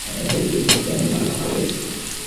আমার যতদূর শক্তি আমি চিন্তা করিয়াছি।